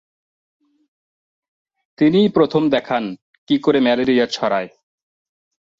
তিনিই প্রথম দেখান কি করে ম্যালেরিয়া ছড়ায়।